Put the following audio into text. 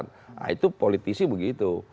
nah itu politisi begitu